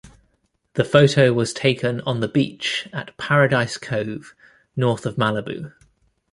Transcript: The photo was taken on the beach at Paradise Cove, north of Malibu.